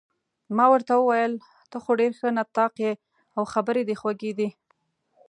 ما ورته وویل: ته خو ډېر ښه نطاق يې، او خبرې دې خوږې دي.